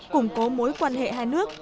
củng cố mối quan hệ hai nước